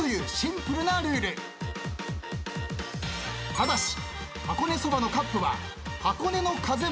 ただし。